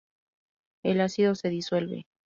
El ácido se disuelve.